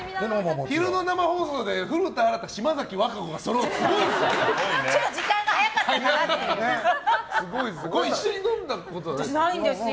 昼の生放送で古田新太と島崎和歌子がそろうってすごいですよ。